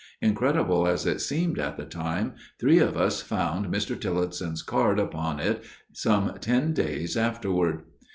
Incredible as it seemed at the time, three of us found Mr. Tileston's card upon it some ten days afterward.